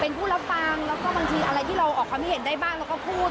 เป็นผู้รับฟังแล้วก็บางทีอะไรที่เราออกความคิดเห็นได้บ้างเราก็พูด